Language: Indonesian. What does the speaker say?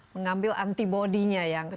mengambil antibody nya yang